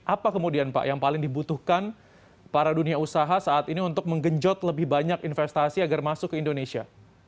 apa kemudian pak yang paling dibutuhkan para dunia usaha saat ini untuk menggenjot lebih banyak investasi agar masuk ke indonesia